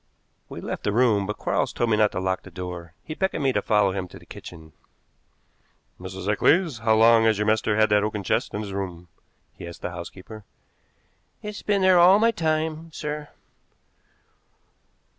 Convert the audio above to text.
We left the room, but Quarles told me not to lock the door. He beckoned me to follow him to the kitchen. "Mrs. Eccles, how long has your master had that oaken chest in his room?" he asked the housekeeper. "It's been there all my time, sir."